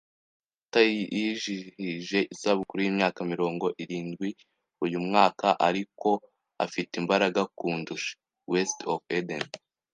Data yijihije isabukuru yimyaka mirongo irindwi uyu mwaka, ariko afite imbaraga kundusha. (WestofEden)